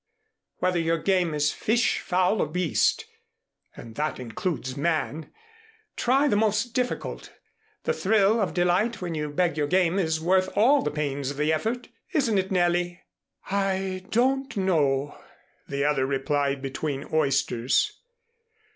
Whether your game is fish, fowl or beast (and that includes man), try the most difficult. The thrill of delight when you bag your game is worth all the pains of the effort. Isn't it, Nellie?" "I don't know," the other replied, between oysters.